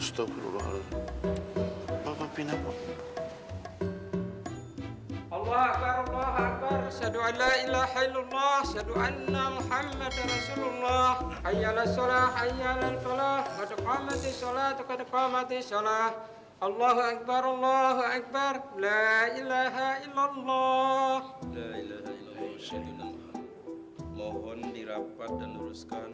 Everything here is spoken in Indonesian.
sampai jumpa di video selanjutnya